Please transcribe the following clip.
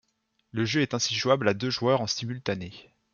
Le jeu est ainsi jouable à deux joueurs en simultané.